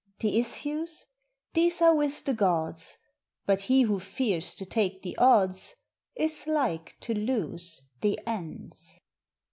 The issues? These are with the Gods, But he who fears to take the Odds Is like to lose the Ends.